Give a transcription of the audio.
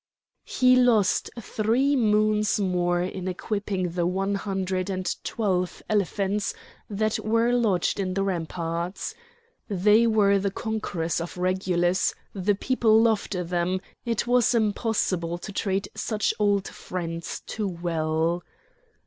He lost three moons more in equipping the one hundred and twelve elephants that were lodged in the ramparts. They were the conquerors of Regulus; the people loved them; it was impossible to treat such old friends too well.